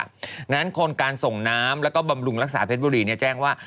เพราะฉะนั้นคนการส่งน้ำแล้วก็บำรุงรักษาเพชรบุรีแจ้งว่า